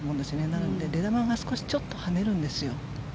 だから出球がちょっと跳ねるんですよ。